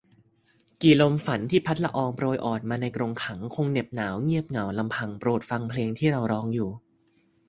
กี่ลมฝันที่พัดละอองโปรยอ่อนมาในกรงขัง คงเหน็บหนาวเงียบเหงาลำพัง โปรดฟังเพลงที่เราร้องอยู่